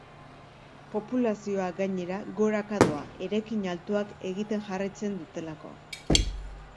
Populazioa, gainera, goraka doa, eraikin altuak egiten jarraitzen dutelako.